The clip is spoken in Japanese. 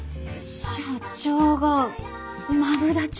社長がマブダチ。